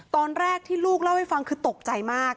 ตอนแรกที่ลูกเล่าให้ฟังคือตกใจมาก